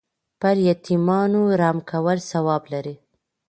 پر یتیمانو رحم کول ثواب لري.